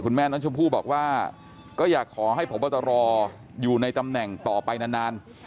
แม่น้องชมพู่บอกว่าก็อยากขอให้พบตรอยู่ในตำแหน่งต่อไปนาน